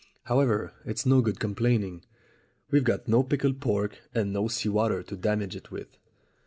However, it's no good complaining. We've got no pickled pork and no sea water to damage it with."